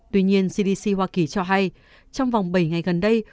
tuy nhiên cdc hoa kỳ cho hay trong vòng bảy ngày gần đây